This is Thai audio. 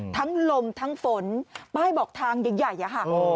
ทั้งลมทั้งฝนป้ายบอกทางใหญ่อะค่ะ